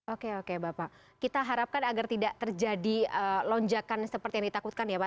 oke oke bapak kita harapkan agar tidak terjadi lonjakan seperti yang ditakutkan ya pak